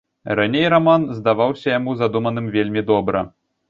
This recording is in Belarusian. Раней раман здаваўся яму задуманым вельмі добра.